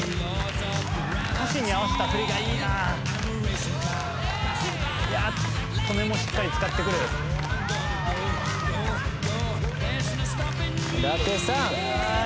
歌詞に合わせた振りがいいないやトメもしっかり使ってくる・舘さん